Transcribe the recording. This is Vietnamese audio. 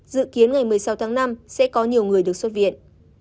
dự kiến ngày một mươi sáu tháng năm sẽ có nhiều người được xuất viện